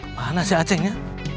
mana si aceknya